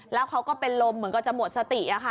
แล้วเขาก็เป็นลมเหมือนกันจะหมดสติ